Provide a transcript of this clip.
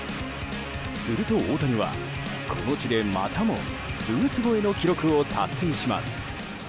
すると、大谷はこの地でまたもルース超えの記録を達成します。